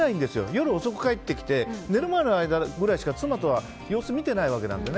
夜遅く帰ってきて寝るまでの間くらいしか妻とは様子を見ていないわけだから。